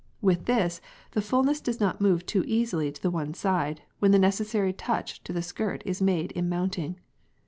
With this, the fulness does not move too easily to one side, when the necessary touch to the skirt is made in mounting.